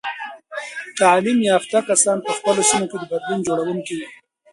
تعلیم یافته کسان په خپلو سیمو کې د بدلون جوړونکي وي.